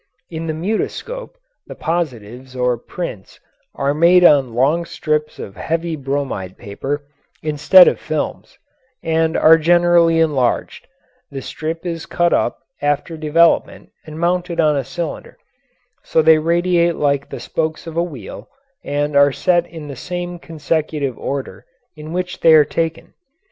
In the mutoscope the positives or prints are made on long strips of heavy bromide paper, instead of films, and are generally enlarged; the strip is cut up after development and mounted on a cylinder, so they radiate like the spokes of a wheel, and are set in the same consecutive order in which they were taken.